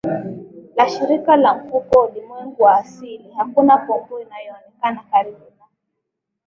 la shirika la mfuko wa ulimwengu wa asili hakuna pomboo aliyeonekana karibu na